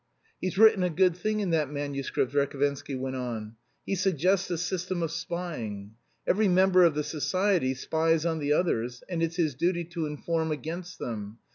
"He's written a good thing in that manuscript," Verhovensky went on. "He suggests a system of spying. Every member of the society spies on the others, and it's his duty to inform against them.